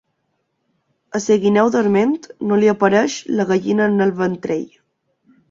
A la guineu dorment, no li apareix la gallina en el ventrell.